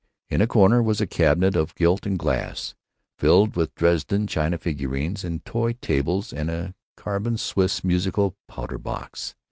In a corner was a cabinet of gilt and glass, filled with Dresden china figurines and toy tables and a carven Swiss musical powder box.